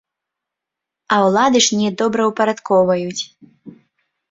А ўлады ж не добраўпарадкоўваюць.